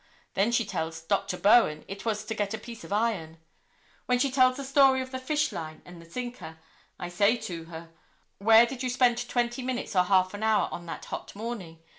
Then she tells Dr. Bowen it was to get a piece of iron; then she tells the story of the fish line and the sinker. I say to her, 'Where did you spend twenty minutes or half an hour on that hot morning?